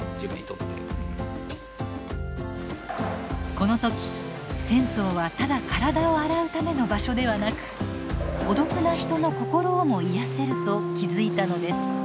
この時銭湯はただ体を洗うための場所ではなく孤独な人の心をも癒やせると気付いたのです。